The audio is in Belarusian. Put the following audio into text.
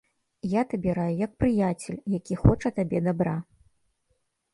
Я табе раю як прыяцель, які хоча табе дабра.